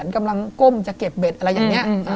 กำลังก้มจะเก็บเบ็ดอะไรอย่างนี้